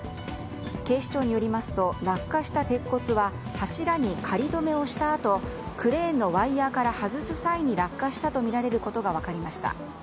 警視庁によりますと落下した鉄骨は柱に仮止めをしたあとクレーンのワイヤから外す際に落下したとみられることが分かりました。